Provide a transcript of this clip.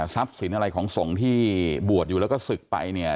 ทรัพย์สินอะไรของส่งที่บวชอยู่แล้วก็ศึกไป